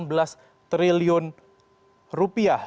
delapan belas triliun rupiah